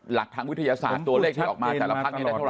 หลักทางวิทยาศาสตร์ตัวเลขที่ออกมาแต่ละพักนี้ได้เท่าไ